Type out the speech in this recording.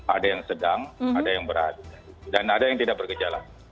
ada yang sedang ada yang berat dan ada yang tidak bergejala